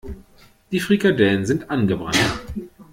Die Frikadellen sind angebrannt.